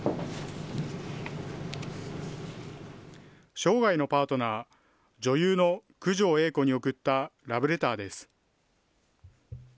生涯のパートナー、女優の九條映子に贈ったラブレターです。